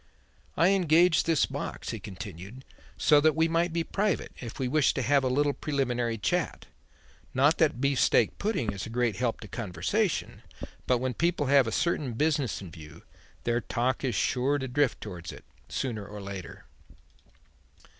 "I engaged this box," he continued, "so that we might be private if we wished to have a little preliminary chat; not that beef steak pudding is a great help to conversation. But when people have a certain business in view, their talk is sure to drift towards it, sooner or later."